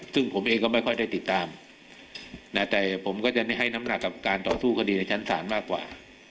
ซึ่งผมเองก็ไม่ค่อยได้ติดตามแต่ผมก็จะให้น้ำหนักกับการต่อสู้คดีในชั้นศาลมากกว่า